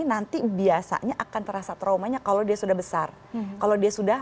nanti biasanya akan terasa traumanya kalau dia sudah besar kalau dia sudah